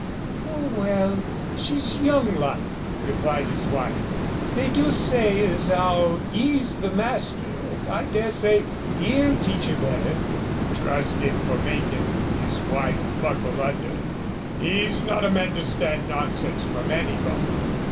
"Oh well, she's young like," replied his wife. "They do say as 'ow 'e's the master, and I dare say 'e'll teach 'er better." "Trust 'im for makin' 'is wife buckle under; 'e's not a man to stand nonsense from anybody."